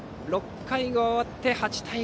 ６回が終わって８対５。